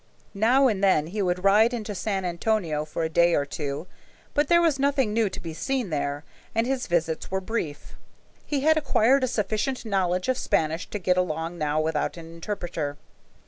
Now and then he would ride into San Antonio for a day or two, but there was nothing new to be seen there, and his visits were brief. He had acquired a sufficient knowledge of Spanish to get along now without an interpreter.